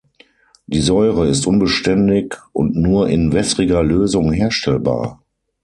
Die Säure ist unbeständig und nur in wässriger Lösung herstellbar.